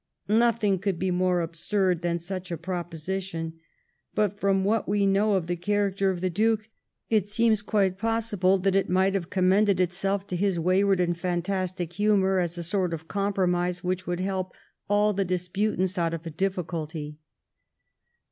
Nothing could be more absurd than such a proposition; but, from what we know of the character of the Duke, it seems quite possible that it might have commended itself to his wayward and fantastic humour as a sort of compromise which would help all the disputants out of a difficulty.